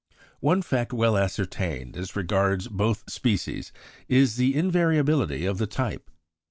One fact well ascertained as regards both species is the invariability of the type.